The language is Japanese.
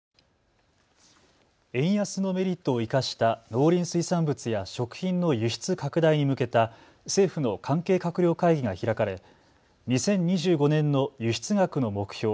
円安のメリットを生かした農林水産物や食品の輸出拡大に向けた政府の関係閣僚会議が開かれ２０２５年の輸出額の目標